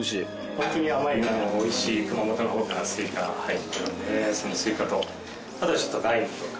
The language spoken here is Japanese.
本当に甘い美味しい熊本の方からスイカが入っているのでそのスイカとあとライムとか。